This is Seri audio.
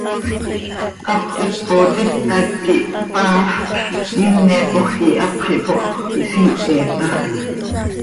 Hap ipot itac quih hpaafc, iinepoj quih hapx ihpooh, ihsiihit haa hi.